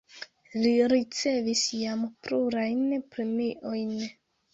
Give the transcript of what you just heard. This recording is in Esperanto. Li ricevis jam plurajn premiojn.